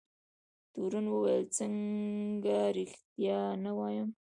تورن وویل څنګه رښتیا نه وایم.